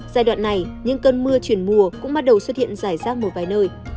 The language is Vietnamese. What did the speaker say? giai đoạn này những cơn mưa chuyển mùa cũng bắt đầu xuất hiện rải rác một vài nơi